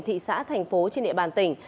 thị xã thành phố trên địa bàn tỉnh